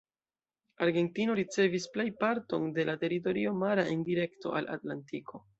Argentino ricevis plej parton de la teritorio mara en direkto al Atlantiko.